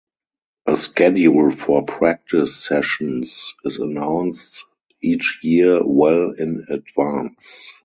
A schedule for practice sessions is announced each year well in advance.